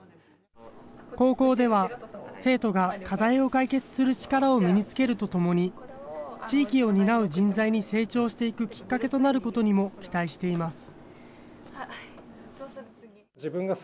高校では生徒が課題を解決する力を身につけるとともに、地域を担う人材に成長していくきっかけとなることにも期待しています。